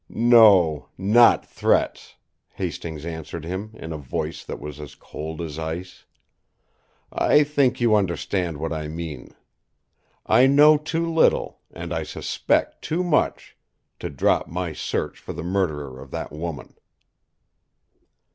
"No; not threats," Hastings answered him in a voice that was cold as ice. "I think you understand what I mean. I know too little, and I suspect too much, to drop my search for the murderer of that woman."